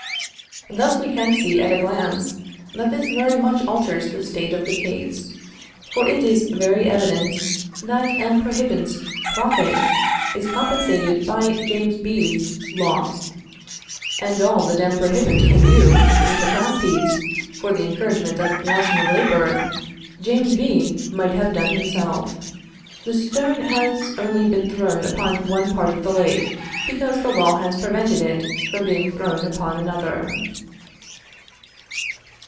Thus, we can see at a glance that this very much alters the state of the case; for it is very evident that M. Prohibant's profit is compensated by James B.'s loss, and all that M. Prohibant can do with the crown piece, for the encouragement of national labour, James B. might have done himself. The stone has only been thrown upon one part of the lake, because the law has prevented it from being thrown upon another.